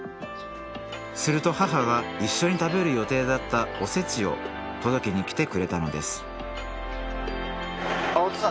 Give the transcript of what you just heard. すると母が一緒に食べる予定だったお節を届けに来てくれたのですお父さん